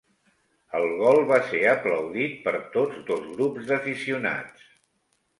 El gol va ser aplaudit per tots dos grups d'aficionats.